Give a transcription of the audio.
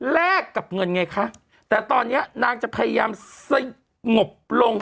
แลกกับเงินไงคะแต่ตอนนี้นางจะพยายามสงบลง